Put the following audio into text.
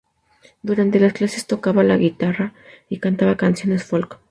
Durante las clases tocaba la guitarra y cantaba canciones folk.